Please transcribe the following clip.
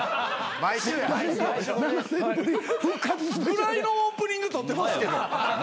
ぐらいのオープニング撮ってますけど。